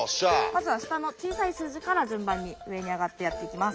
まずは下の小さい数字から順番に上に上がってやっていきます。